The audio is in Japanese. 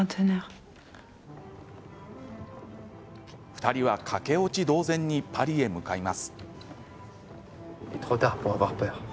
２人は駆け落ち同然にパリへ向かいます。